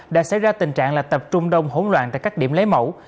đã xảy ra tình trạng là tập trung đông hỗn loạn tại các điểm lấy mẫu